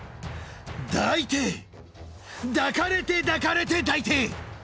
「抱いて抱かれて抱かれて抱いて！」